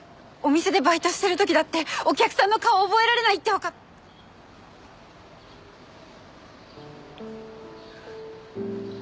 お店でバイトしてる時だってお客さんの顔を覚えられないってわかって。